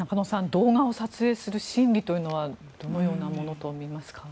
動画を撮影する心理というのはどのようなものとみますか？